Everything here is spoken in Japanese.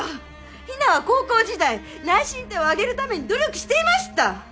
日奈は高校時代内申点を上げるために努力していました！